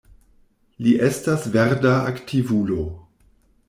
Li estas verda aktivulo.